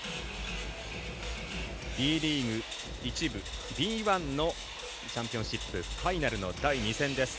Ｂリーグ１部、Ｂ１のチャンピオンシップファイナルの第２戦です。